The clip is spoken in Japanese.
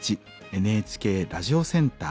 ＮＨＫラジオセンター